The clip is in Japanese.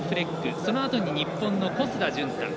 そのあとに日本の小須田潤太。